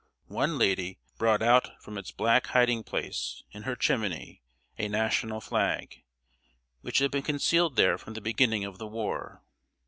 One lady brought out from its black hiding place, in her chimney, a National flag, which had been concealed there from the beginning of the war.